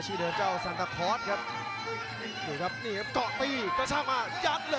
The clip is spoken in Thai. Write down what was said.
จังหวาดึงซ้ายตายังดีอยู่ครับเพชรมงคล